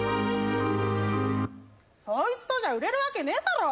そいつとじゃ売れるわけねえだろ。